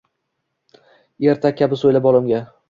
Ertak kabi so’yla bolamga